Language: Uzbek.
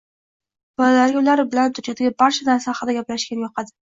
Bolalarga ular bilan dunyodagi barcha narsa haqida gaplashishgani yoqadi.